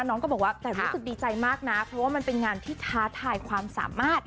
น้องก็บอกว่าแต่รู้สึกดีใจมากนะเพราะว่ามันเป็นงานที่ท้าทายความสามารถ